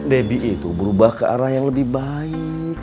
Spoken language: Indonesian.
debbie itu berubah ke arah yang lebih baik